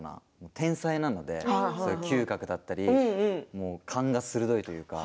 天才なので嗅覚だったり勘が鋭いというか。